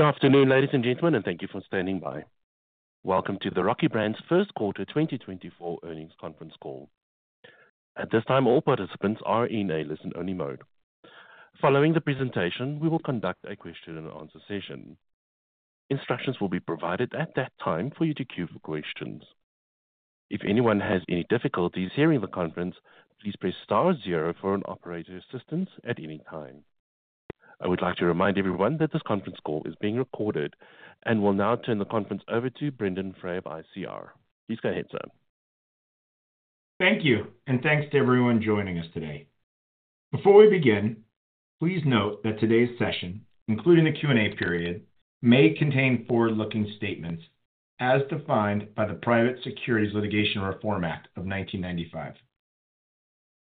Good afternoon, ladies and gentlemen, and thank you for standing by. Welcome to the Rocky Brands first quarter 2024 earnings conference call. At this time, all participants are in a listen-only mode. Following the presentation, we will conduct a question-and-answer session. Instructions will be provided at that time for you to queue for questions. If anyone has any difficulties hearing the conference, please press star zero for operator assistance at any time. I would like to remind everyone that this conference call is being recorded. I will now turn the conference over to Brendon Frey of ICR. Please go ahead, sir. Thank you, and thanks to everyone joining us today. Before we begin, please note that today's session, including the Q&A period, may contain forward-looking statements as defined by the Private Securities Litigation Reform Act of 1995.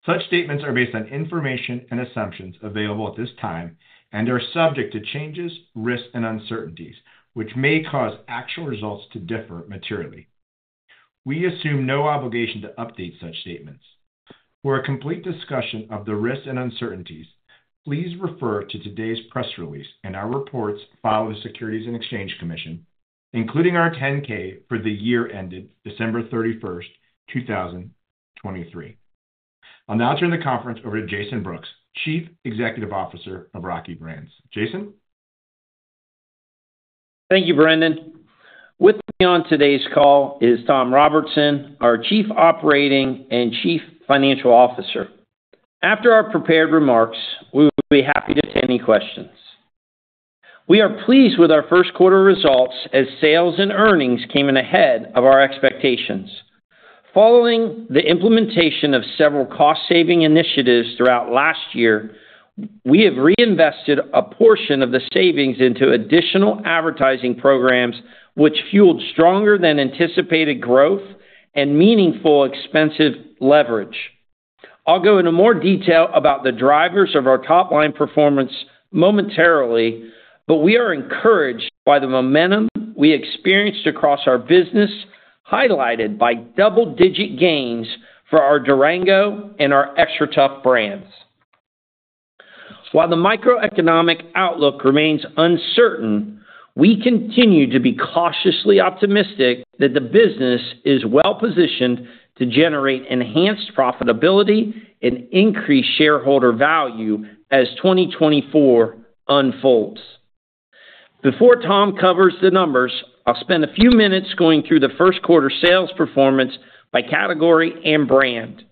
Such statements are based on information and assumptions available at this time and are subject to changes, risks, and uncertainties, which may cause actual results to differ materially. We assume no obligation to update such statements. For a complete discussion of the risks and uncertainties, please refer to today's press release and our reports filed with the Securities and Exchange Commission, including our 10-K for the year ended December 31st, 2023. I'll now turn the conference over to Jason Brooks, Chief Executive Officer of Rocky Brands. Jason? Thank you, Brendon. With me on today's call is Tom Robertson, our Chief Operating Officer and Chief Financial Officer. After our prepared remarks, we will be happy to take any questions. We are pleased with our first quarter results as sales and earnings came in ahead of our expectations. Following the implementation of several cost-saving initiatives throughout last year, we have reinvested a portion of the savings into additional advertising programs, which fueled stronger-than-anticipated growth and meaningful expense leverage. I'll go into more detail about the drivers of our top-line performance momentarily, but we are encouraged by the momentum we experienced across our business highlighted by double-digit gains for our Durango and our XTRATUF brands. While the macroeconomic outlook remains uncertain, we continue to be cautiously optimistic that the business is well-positioned to generate enhanced profitability and increase shareholder value as 2024 unfolds. Before Tom covers the numbers, I'll spend a few minutes going through the first quarter sales performance by category and brand.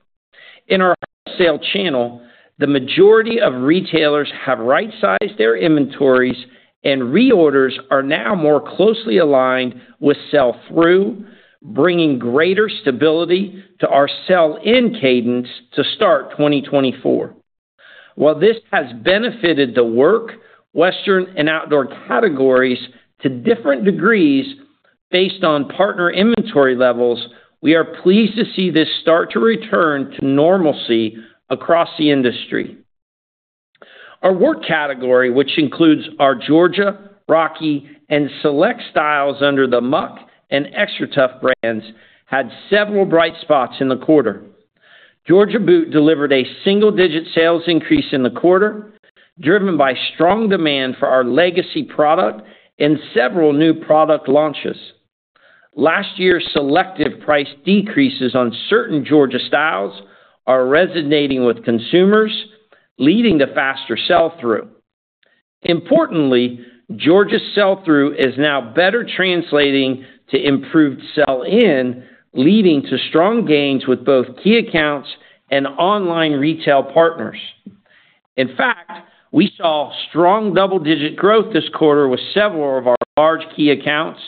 In our wholesale channel, the majority of retailers have right-sized their inventories, and reorders are now more closely aligned with sell-through, bringing greater stability to our sell-in cadence to start 2024. While this has benefited the work Western and outdoor categories to different degrees based on partner inventory levels, we are pleased to see this start to return to normalcy across the industry. Our work category, which includes our Georgia, Rocky, and select styles under the Muck and XTRATUF brands, had several bright spots in the quarter. Georgia Boot delivered a single-digit sales increase in the quarter, driven by strong demand for our legacy product and several new product launches. Last year's selective price decreases on certain Georgia styles are resonating with consumers, leading to faster sell-through. Importantly, Georgia's sell-through is now better translating to improved sell-in, leading to strong gains with both key accounts and online retail partners. In fact, we saw strong double-digit growth this quarter with several of our large key accounts,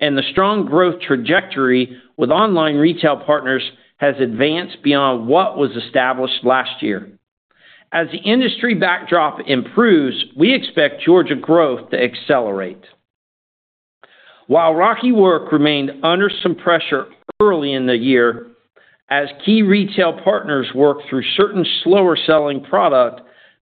and the strong growth trajectory with online retail partners has advanced beyond what was established last year. As the industry backdrop improves, we expect Georgia growth to accelerate. While Rocky work remained under some pressure early in the year, as key retail partners worked through certain slower-selling product,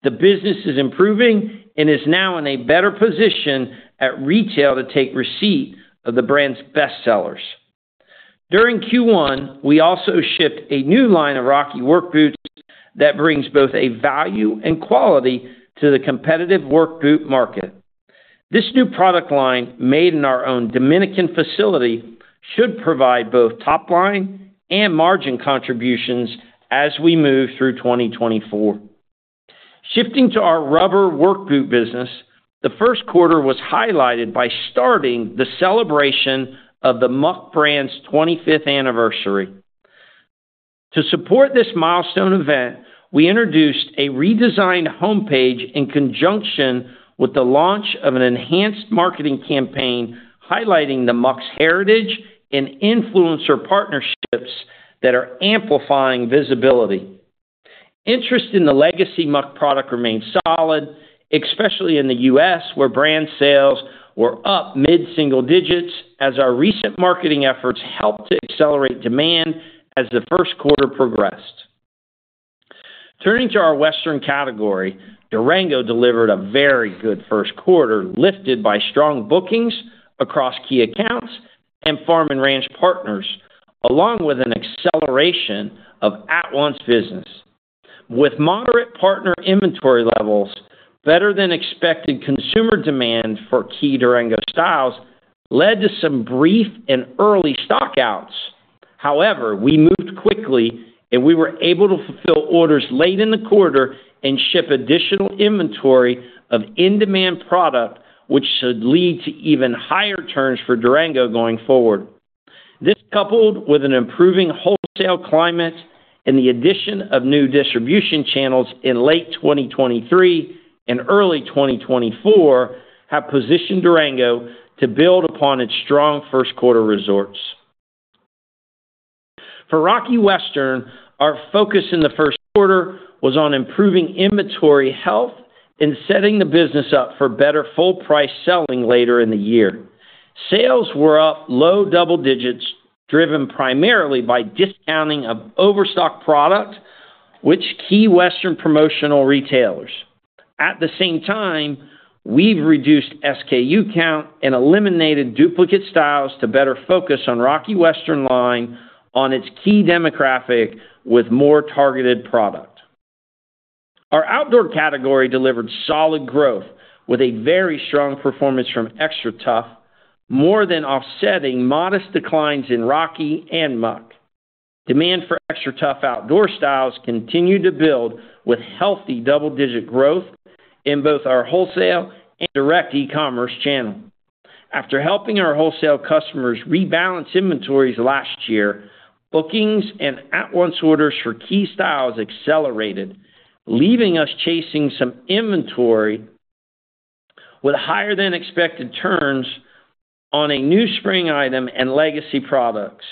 the business is improving and is now in a better position at retail to take receipt of the brand's bestsellers. During Q1, we also shipped a new line of Rocky work boots that brings both value and quality to the competitive work boot market. This new product line, made in our own Dominican facility, should provide both top-line and margin contributions as we move through 2024. Shifting to our rubber work boot business, the first quarter was highlighted by starting the celebration of the Muck brand's 25th anniversary. To support this milestone event, we introduced a redesigned homepage in conjunction with the launch of an enhanced marketing campaign highlighting the Muck's heritage and influencer partnerships that are amplifying visibility. Interest in the legacy Muck product remained solid, especially in the U.S., where brand sales were up mid-single digits as our recent marketing efforts helped to accelerate demand as the first quarter progressed. Turning to our Western category, Durango delivered a very good first quarter lifted by strong bookings across key accounts and farm and ranch partners, along with an acceleration of at-once business. With moderate partner inventory levels, better-than-expected consumer demand for key Durango styles led to some brief and early stockouts. However, we moved quickly, and we were able to fulfill orders late in the quarter and ship additional inventory of in-demand product, which should lead to even higher turns for Durango going forward. This, coupled with an improving wholesale climate and the addition of new distribution channels in late 2023 and early 2024, have positioned Durango to build upon its strong first-quarter results. For Rocky Western, our focus in the first quarter was on improving inventory health and setting the business up for better full-price selling later in the year. Sales were up low double digits, driven primarily by discounting of overstock product with key Western promotional retailers. At the same time, we've reduced SKU count and eliminated duplicate styles to better focus on Rocky Western line on its key demographic with more targeted product. Our outdoor category delivered solid growth with a very strong performance from XTRATUF, more than offsetting modest declines in Rocky and Muck. Demand for XTRATUF outdoor styles continued to build with healthy double-digit growth in both our wholesale and direct e-commerce channel. After helping our wholesale customers rebalance inventories last year, bookings and at-once orders for key styles accelerated, leaving us chasing some inventory with higher-than-expected turns on a new spring item and legacy products.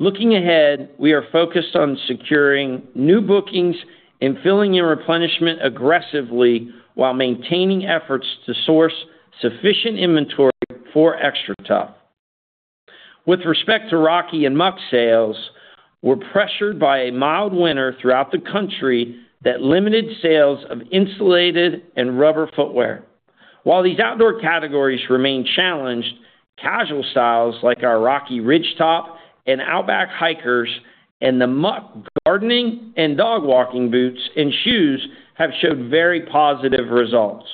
Looking ahead, we are focused on securing new bookings and filling in replenishment aggressively while maintaining efforts to source sufficient inventory for XTRATUF. With respect to Rocky and Muck sales, we're pressured by a mild winter throughout the country that limited sales of insulated and rubber footwear. While these outdoor categories remain challenged, casual styles like our Rocky Ridgetop and Outback Hikers and the Muck gardening and dog walking boots and shoes have showed very positive results.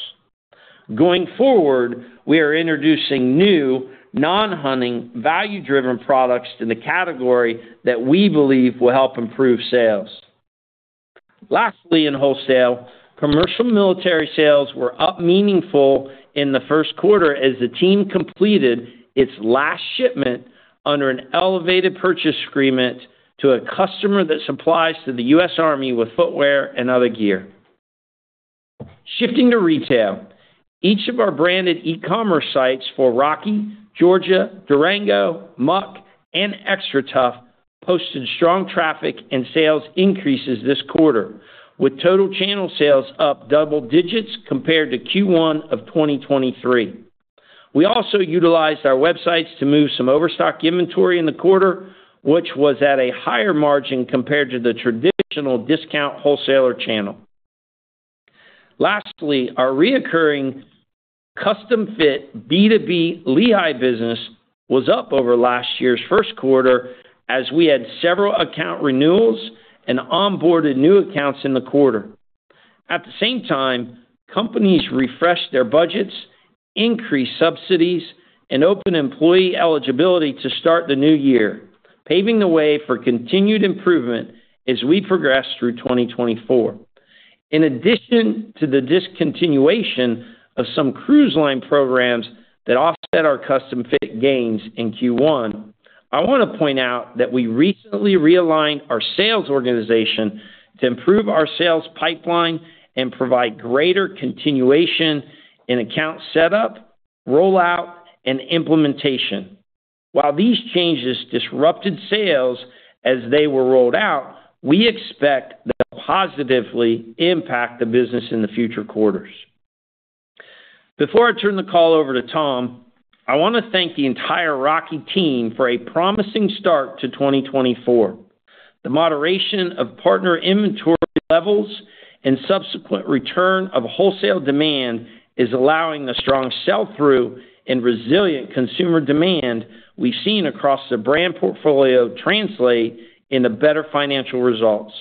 Going forward, we are introducing new, non-hunting, value-driven products in the category that we believe will help improve sales. Lastly, in wholesale, commercial military sales were up meaningful in the first quarter as the team completed its last shipment under an elevated purchase agreement to a customer that supplies to the U.S. Army with footwear and other gear. Shifting to retail, each of our branded e-commerce sites for Rocky, Georgia, Durango, Muck, and XTRATUF posted strong traffic and sales increases this quarter, with total channel sales up double digits compared to Q1 of 2023. We also utilized our websites to move some overstock inventory in the quarter, which was at a higher margin compared to the traditional discount wholesaler channel. Lastly, our recurring custom-fit B2B Lehigh business was up over last year's first quarter as we had several account renewals and onboarded new accounts in the quarter. At the same time, companies refreshed their budgets, increased subsidies, and opened employee eligibility to start the new year, paving the way for continued improvement as we progress through 2024. In addition to the discontinuation of some cruise line programs that offset our custom-fit gains in Q1, I want to point out that we recently realigned our sales organization to improve our sales pipeline and provide greater continuation in account setup, rollout, and implementation. While these changes disrupted sales as they were rolled out, we expect them to positively impact the business in the future quarters. Before I turn the call over to Tom, I want to thank the entire Rocky team for a promising start to 2024. The moderation of partner inventory levels and subsequent return of wholesale demand is allowing the strong sell-through and resilient consumer demand we've seen across the brand portfolio translate into better financial results.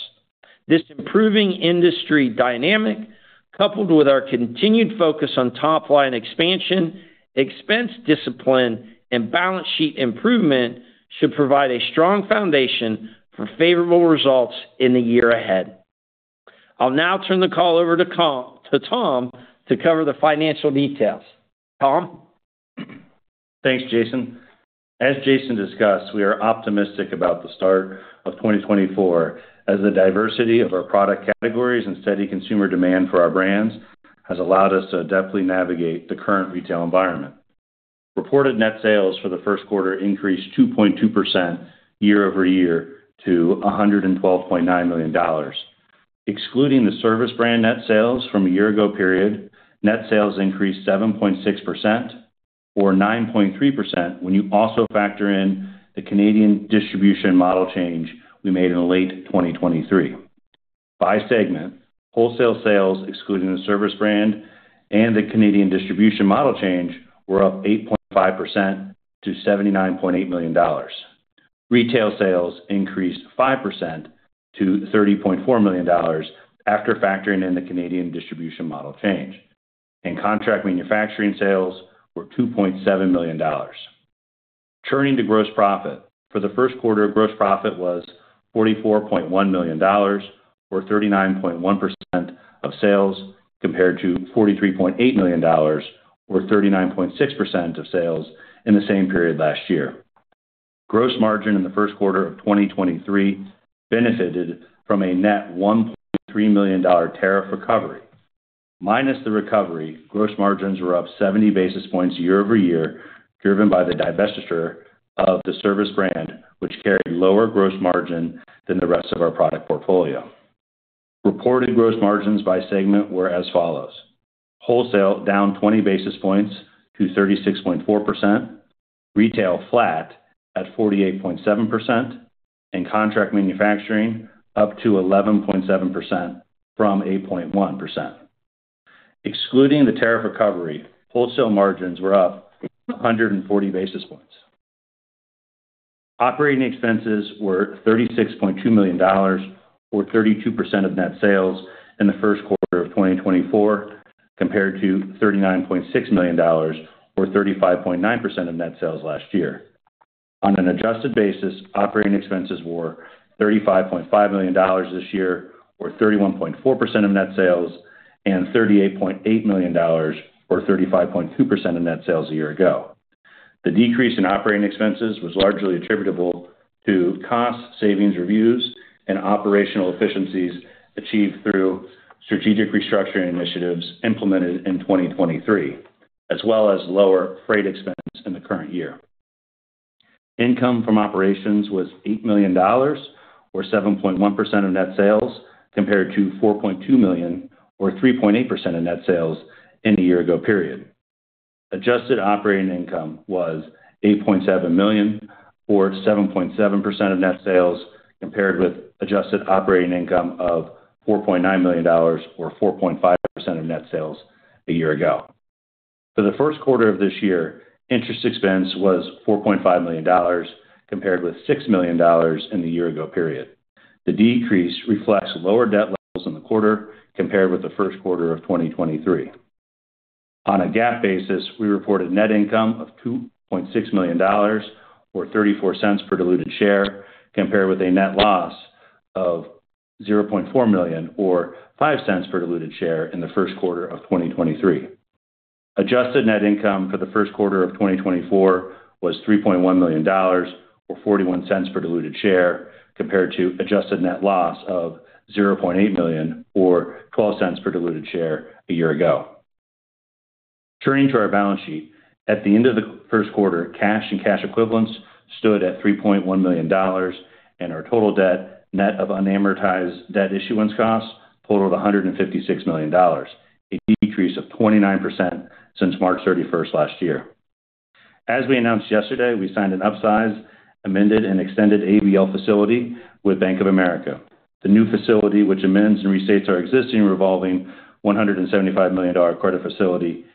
This improving industry dynamic, coupled with our continued focus on top-line expansion, expense discipline, and balance sheet improvement, should provide a strong foundation for favorable results in the year ahead. I'll now turn the call over to Tom to cover the financial details. Tom? Thanks, Jason. As Jason discussed, we are optimistic about the start of 2024 as the diversity of our product categories and steady consumer demand for our brands has allowed us to adeptly navigate the current retail environment. Reported net sales for the first quarter increased 2.2% year-over-year to $112.9 million. Excluding the Servus brand net sales from a year-ago period, net sales increased 7.6% or 9.3% when you also factor in the Canadian distribution model change we made in late 2023. By segment, wholesale sales excluding the Servus brand and the Canadian distribution model change were up 8.5% to $79.8 million. Retail sales increased 5% to $30.4 million after factoring in the Canadian distribution model change, and contract manufacturing sales were $2.7 million. Turning to gross profit, for the first quarter, gross profit was $44.1 million or 39.1% of sales compared to $43.8 million or 39.6% of sales in the same period last year. Gross margin in the first quarter of 2023 benefited from a net $1.3 million tariff recovery. Minus the recovery, gross margins were up 70 basis points year-over-year, driven by the divestiture of the Servus brand, which carried lower gross margin than the rest of our product portfolio. Reported gross margins by segment were as follows: wholesale down 20 basis points to 36.4%, retail flat at 48.7%, and contract manufacturing up to 11.7% from 8.1%. Excluding the tariff recovery, wholesale margins were up 140 basis points. Operating expenses were $36.2 million or 32% of net sales in the first quarter of 2024 compared to $39.6 million or 35.9% of net sales last year. On an adjusted basis, operating expenses were $35.5 million this year or 31.4% of net sales and $38.8 million or 35.2% of net sales a year ago. The decrease in operating expenses was largely attributable to cost savings reviews and operational efficiencies achieved through strategic restructuring initiatives implemented in 2023, as well as lower freight expense in the current year. Income from operations was $8 million or 7.1% of net sales compared to $4.2 million or 3.8% of net sales in the year-ago period. Adjusted operating income was $8.7 million or 7.7% of net sales compared with adjusted operating income of $4.9 million or 4.5% of net sales a year-ago. For the first quarter of this year, interest expense was $4.5 million compared with $6 million in the year-ago period. The decrease reflects lower debt levels in the quarter compared with the first quarter of 2023. On a GAAP basis, we reported net income of $2.6 million or $0.34 per diluted share compared with a net loss of $0.4 million or $0.05 per diluted share in the first quarter of 2023. Adjusted net income for the first quarter of 2024 was $3.1 million or $0.41 per diluted share compared to adjusted net loss of $0.8 million or $0.12 per diluted share a year ago. Turning to our balance sheet, at the end of the first quarter, cash and cash equivalents stood at $3.1 million, and our total debt, net of unamortized debt issuance costs, totaled $156 million, a decrease of 29% since March 31st last year. As we announced yesterday, we signed an upsize, amended, and extended ABL facility with Bank of America. The new facility, which amends and restates our existing revolving $175 million credit facility,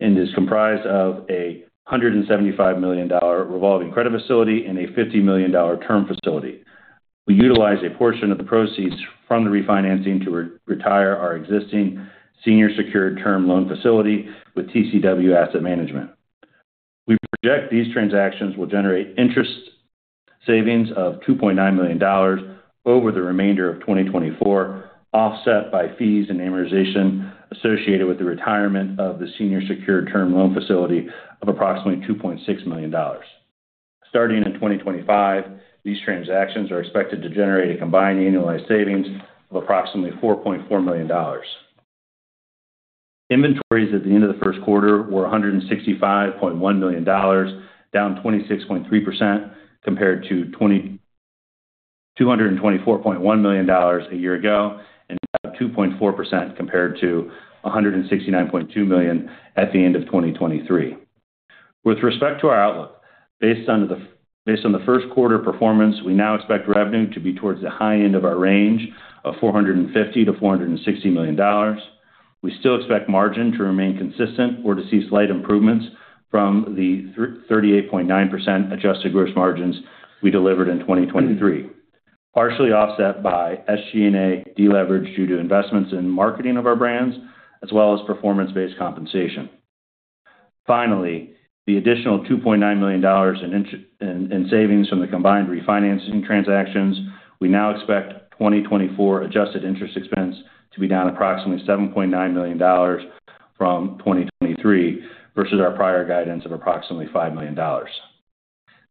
is comprised of a $175 million revolving credit facility and a $50 million term facility. We utilize a portion of the proceeds from the refinancing to retire our existing senior-secured term loan facility with TCW Asset Management. We project these transactions will generate interest savings of $2.9 million over the remainder of 2024, offset by fees and amortization associated with the retirement of the senior-secured term loan facility of approximately $2.6 million. Starting in 2025, these transactions are expected to generate a combined annualized savings of approximately $4.4 million. Inventories at the end of the first quarter were $165.1 million, down 26.3% compared to $224.1 million a year ago and down 2.4% compared to $169.2 million at the end of 2023. With respect to our outlook, based on the first quarter performance, we now expect revenue to be towards the high end of our range of $450- 460 million. We still expect margin to remain consistent or to see slight improvements from the 38.9% adjusted gross margins we delivered in 2023, partially offset by SG&A deleveraged due to investments in marketing of our brands as well as performance-based compensation. Finally, the additional $2.9 million in savings from the combined refinancing transactions, we now expect 2024 adjusted interest expense to be down approximately $7.9 million from 2023 versus our prior guidance of approximately $5 million.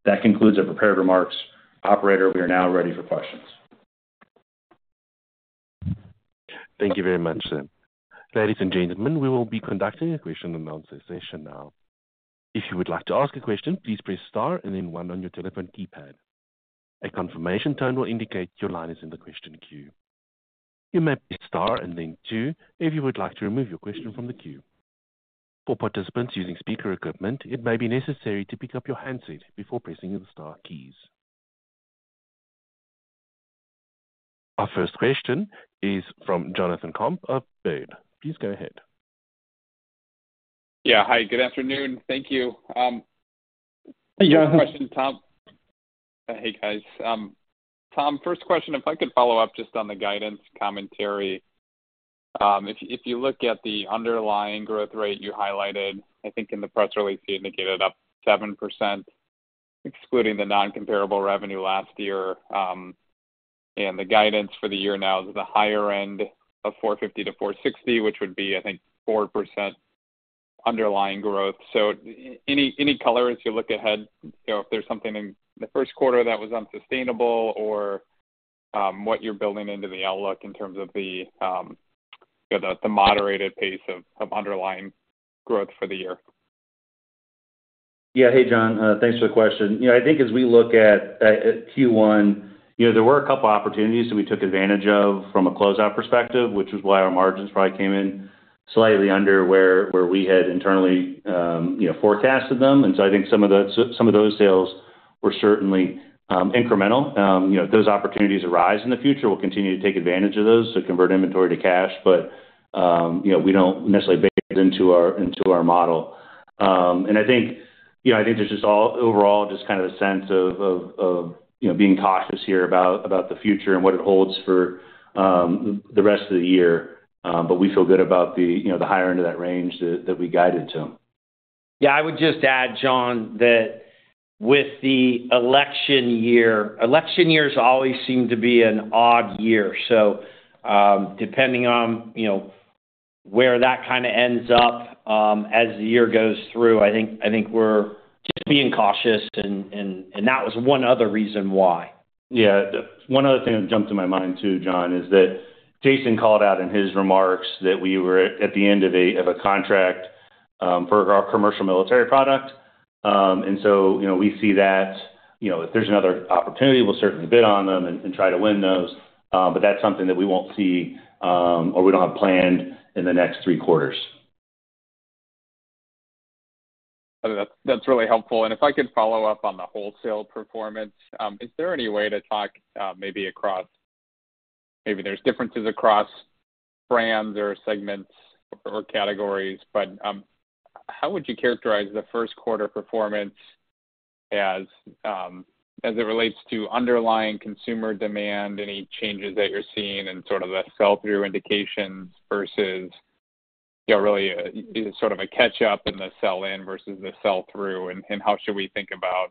That concludes our prepared remarks. Operator, we are now ready for questions. Thank you very much, Sir. Ladies and gentlemen, we will be conducting a question-and-answer session now. If you would like to ask a question, please press star and then 1 on your telephone keypad. A confirmation tone will indicate your line is in the question queue. You may press star and then 2 if you would like to remove your question from the queue. For participants using speaker equipment, it may be necessary to pick up your handset before pressing the star keys. Our first question is from Jonathan Komp of Baird. Please go ahead. Yeah. Hi. Good afternoon. Thank you. Hey, Jonathan. First question, Tom. Hey, guys. Tom, first question, if I could follow up just on the guidance commentary. If you look at the underlying growth rate you highlighted, I think in the press release you indicated up 7% excluding the non-comparable revenue last year. And the guidance for the year now is the higher end of $450-460, which would be, I think, 4% underlying growth. So any color as you look ahead, if there's something in the first quarter that was unsustainable or what you're building into the outlook in terms of the moderated pace of underlying growth for the year. Yeah. Hey, John. Thanks for the question. I think as we look at Q1, there were a couple of opportunities that we took advantage of from a closeout perspective, which was why our margins probably came in slightly under where we had internally forecasted them. And so I think some of those sales were certainly incremental. If those opportunities arise in the future, we'll continue to take advantage of those to convert inventory to cash, but we don't necessarily base into our model. And I think there's just overall just kind of a sense of being cautious here about the future and what it holds for the rest of the year. But we feel good about the higher end of that range that we guided to. Yeah. I would just add, John, that with the election year, election years always seem to be an odd year. So depending on where that kind of ends up as the year goes through, I think we're just being cautious. And that was one other reason why. Yeah. One other thing that jumped to my mind too, John, is that Jason called out in his remarks that we were at the end of a contract for our commercial military product. And so we see that if there's another opportunity, we'll certainly bid on them and try to win those. But that's something that we won't see or we don't have planned in the next three quarters. That's really helpful. If I could follow up on the wholesale performance, is there any way to talk maybe across maybe there's differences across brands or segments or categories, but how would you characterize the first quarter performance as it relates to underlying consumer demand, any changes that you're seeing in sort of the sell-through indications versus really sort of a catch-up in the sell-in versus the sell-through? How should we think about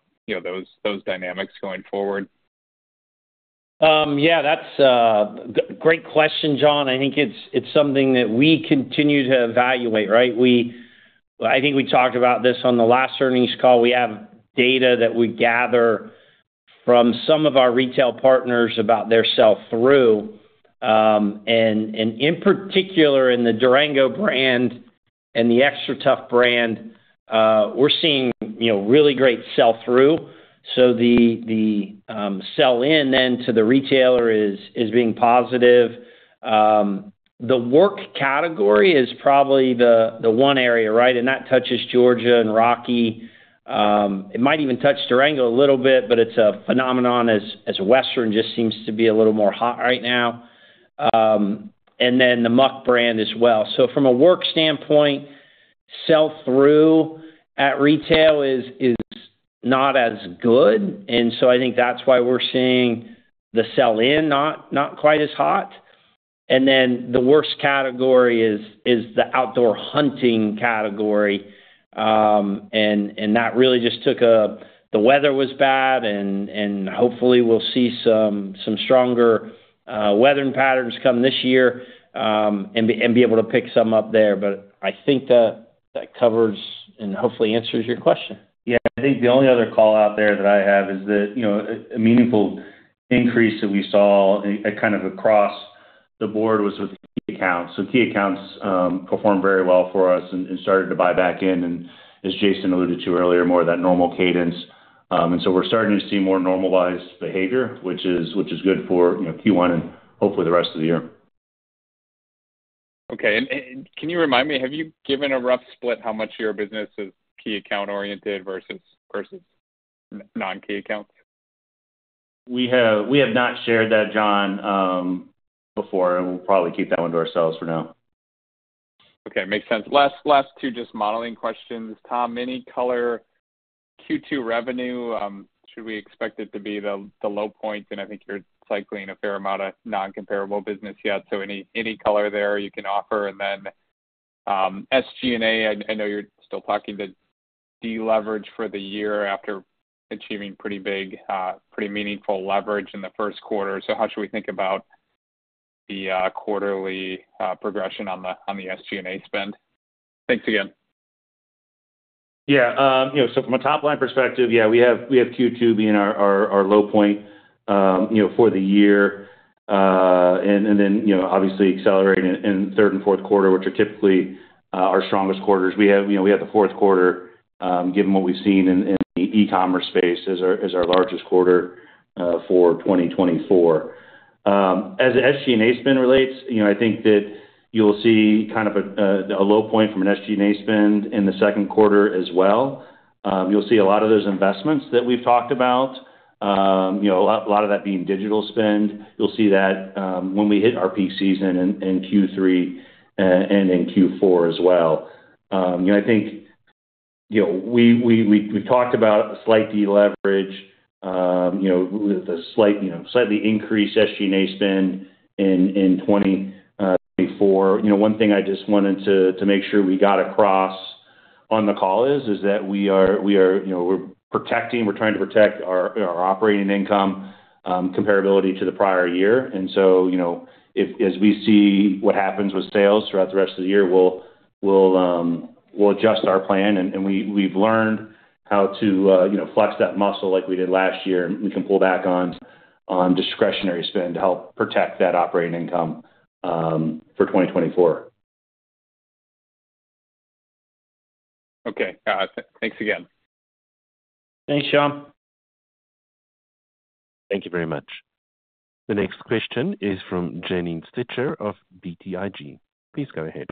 those dynamics going forward? Yeah. That's a great question, John. I think it's something that we continue to evaluate, right? I think we talked about this on the last earnings call. We have data that we gather from some of our retail partners about their sell-through. And in particular, in the Durango brand and the XTRATUF brand, we're seeing really great sell-through. So the sell-in then to the retailer is being positive. The work category is probably the one area, right? And that touches Georgia and Rocky. It might even touch Durango a little bit, but it's a phenomenon as western just seems to be a little more hot right now. And then the Muck brand as well. So from a work standpoint, sell-through at retail is not as good. And so I think that's why we're seeing the sell-in not quite as hot. And then the worst category is the outdoor hunting category. And that really just took the weather was bad, and hopefully, we'll see some stronger weather patterns come this year and be able to pick some up there. But I think that covers and hopefully answers your question. Yeah. I think the only other callout there that I have is that a meaningful increase that we saw kind of across the board was with key accounts. So key accounts performed very well for us and started to buy back in, and as Jason alluded to earlier, more of that normal cadence. And so we're starting to see more normalized behavior, which is good for Q1 and hopefully the rest of the year. Okay. And can you remind me, have you given a rough split how much of your business is key account-oriented versus non-key accounts? We have not shared that, John, before. We'll probably keep that one to ourselves for now. Okay. Makes sense. Last two just modeling questions. Tom, any color Q2 revenue should we expect it to be the low point? And I think you're cycling a fair amount of non-comparable business yet. So any color there you can offer. And then SG&A, I know you're still talking to deleverage for the year after achieving pretty meaningful leverage in the first quarter. So how should we think about the quarterly progression on the SG&A spend? Thanks again. Yeah. So from a top-line perspective, yeah, we have Q2 being our low point for the year. And then obviously accelerating in third and fourth quarter, which are typically our strongest quarters. We have the fourth quarter, given what we've seen in the e-commerce space, as our largest quarter for 2024. As SG&A spend relates, I think that you'll see kind of a low point from an SG&A spend in the second quarter as well. You'll see a lot of those investments that we've talked about, a lot of that being digital spend. You'll see that when we hit our peak season in Q3 and in Q4 as well. I think we've talked about slight deleverage, the slightly increased SG&A spend in 2024. One thing I just wanted to make sure we got across on the call is that we're trying to protect our operating income comparability to the prior year. And so as we see what happens with sales throughout the rest of the year, we'll adjust our plan. And we've learned how to flex that muscle like we did last year. And we can pull back on discretionary spend to help protect that operating income for 2024. Okay. Thanks again. Thanks, John. Thank you very much. The next question is from Janine Stichter of BTIG. Please go ahead.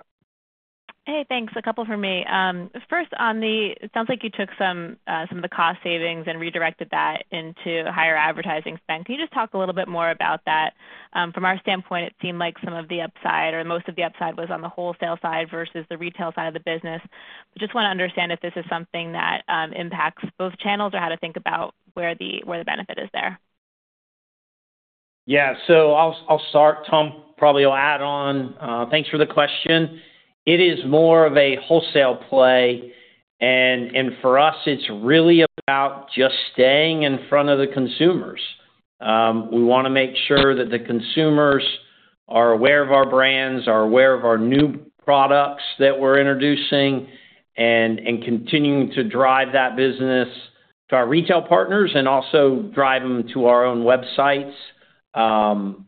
Hey. Thanks. A couple from me. First, it sounds like you took some of the cost savings and redirected that into higher advertising spend. Can you just talk a little bit more about that? From our standpoint, it seemed like some of the upside or most of the upside was on the wholesale side versus the retail side of the business. Just want to understand if this is something that impacts both channels or how to think about where the benefit is there. Yeah. So I'll start. Tom probably will add on. Thanks for the question. It is more of a wholesale play. And for us, it's really about just staying in front of the consumers. We want to make sure that the consumers are aware of our brands, are aware of our new products that we're introducing, and continuing to drive that business to our retail partners and also drive them to our own websites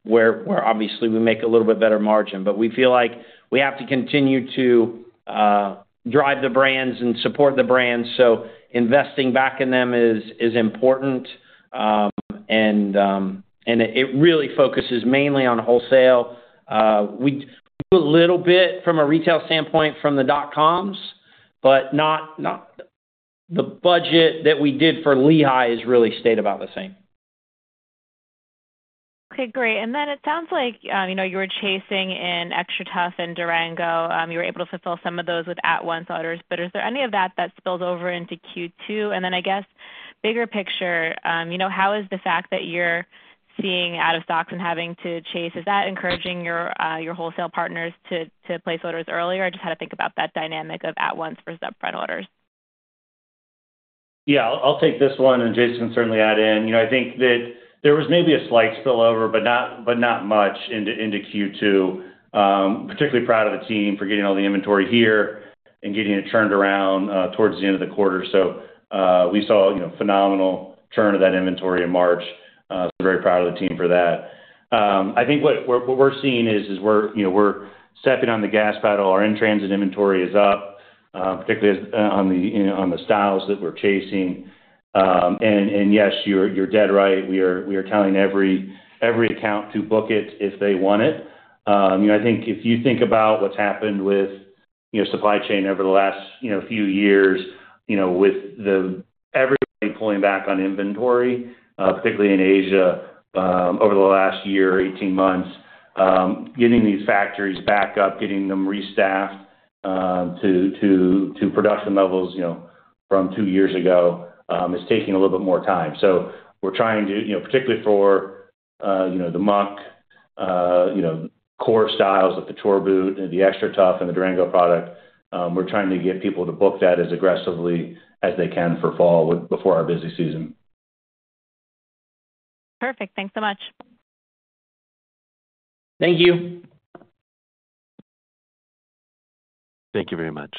where obviously, we make a little bit better margin. But we feel like we have to continue to drive the brands and support the brands. So investing back in them is important. And it really focuses mainly on wholesale. We do a little bit from a retail standpoint from the dot-coms, but the budget that we did for Lehigh has really stayed about the same. Okay. Great. And then it sounds like you were chasing in XTRATUF and Durango. You were able to fulfill some of those with at-once orders. But is there any of that that spills over into Q2? And then I guess bigger picture, how is the fact that you're seeing out-of-stocks and having to chase is that encouraging your wholesale partners to place orders earlier? I just had to think about that dynamic of At Once versus upfront orders. Yeah. I'll take this one. Jason can certainly add in. I think that there was maybe a slight spillover, but not much, into Q2. Particularly proud of the team for getting all the inventory here and getting it turned around towards the end of the quarter. We saw a phenomenal turn of that inventory in March. Very proud of the team for that. I think what we're seeing is we're stepping on the gas pedal. Our in-transit inventory is up, particularly on the styles that we're chasing. Yes, you're dead right. We are telling every account to book it if they want it. I think if you think about what's happened with supply chain over the last few years with everybody pulling back on inventory, particularly in Asia over the last year, 18 months, getting these factories back up, getting them restaffed to production levels from two years ago is taking a little bit more time. So we're trying to particularly for the Muck core styles of the Chore Boot and the XTRATUF and the Durango product, we're trying to get people to book that as aggressively as they can for fall before our busy season. Perfect. Thanks so much. Thank you. Thank you very much.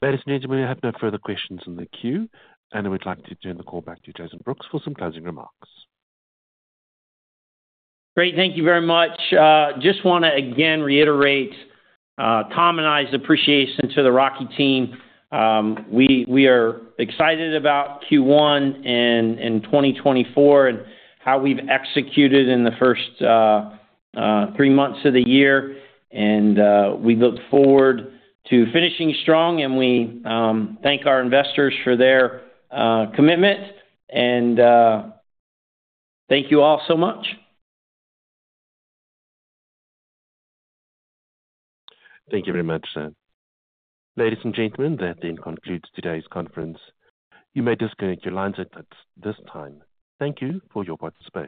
Ladies and gentlemen, I have no further questions in the queue. I would like to turn the call back to Jason Brooks for some closing remarks. Great. Thank you very much. Just want to again reiterate Tom and I's appreciation to the Rocky team. We are excited about Q1 and 2024 and how we've executed in the first three months of the year. We look forward to finishing strong. We thank our investors for their commitment. Thank you all so much. Thank you very much, Sir. Ladies and gentlemen, that concludes today's conference. You may disconnect your lines at this time. Thank you for your participation.